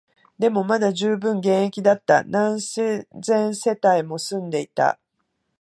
でも、まだ充分現役だった、何千世帯も住んでいた